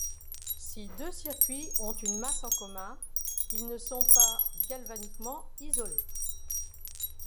Si deux circuits ont une masse en commun, ils ne sont pas galvaniquement isolés.